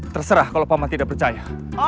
terserah kalau paman tidak percaya